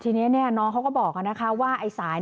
ทีนี้เนี่ยน้องเขาก็บอกครับว่า